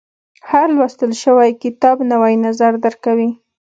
• هر لوستل شوی کتاب، نوی نظر درکوي.